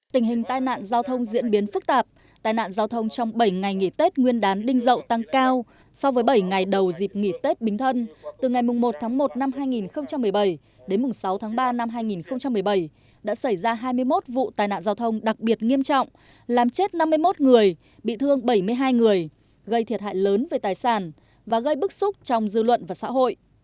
tình hình tai nạn giao thông diễn biến phức tạp tai nạn giao thông trong bảy ngày nghỉ tết nguyên đán đinh dậu tăng cao so với bảy ngày đầu dịp nghỉ tết bình thân từ ngày một một hai nghìn một mươi bảy đến sáu ba hai nghìn một mươi bảy đã xảy ra hai mươi một vụ tai nạn giao thông đặc biệt nghiêm trọng làm chết năm mươi một người bị thương bảy mươi hai người gây thiệt hại lớn về tài sản và gây bức xúc trong dư luận và xã hội